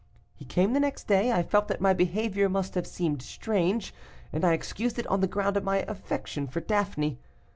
He came the next day; I felt that my behavior must have seemed strange, and I excused it on the ground of my affection for Daphne.